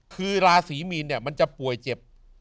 คือราศีมีนเนี่ยมันจะป่วยเจ็บ